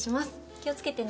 気を付けてね。